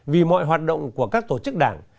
vì mọi hoạt động của các tổ chức đảng